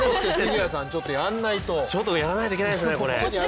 ちょっとやらないといけないですね。